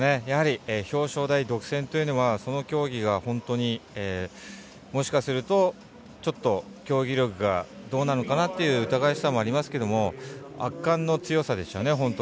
やはり表彰台独占というのは、その競技が本当にもしかすると、ちょっと競技力がどうなのかなという疑わしさもありますけど圧巻ですよね。